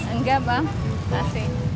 enggak bang masih